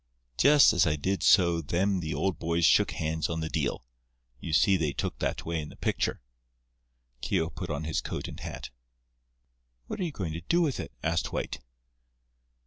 Just as I did so them old boys shook hands on the deal—you see they took that way in the picture." Keogh put on his coat and hat. "What are you going to do with it?" asked White.